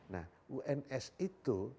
nah uns itu